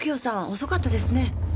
遅かったですね。